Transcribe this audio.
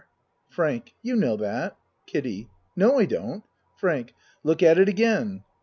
FRANK You know that. KIDDIE No, I don't. FRANK Look at it again.